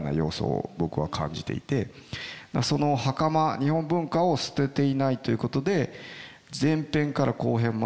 その袴日本文化を捨てていないということで前編から後編まで袴は着続けてるんですよ